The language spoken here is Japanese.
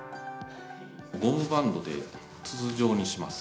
ゴムバンドで筒状にします。